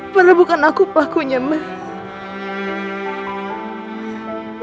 pernah bukan aku pelakunya mak